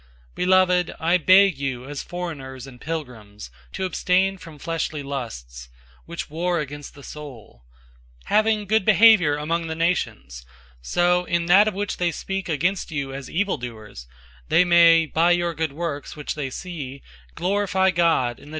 002:011 Beloved, I beg you as foreigners and pilgrims, to abstain from fleshly lusts, which war against the soul; 002:012 having good behavior among the nations, so in that of which they speak against you as evil doers, they may by your good works, which they see, glorify God in the day of visitation.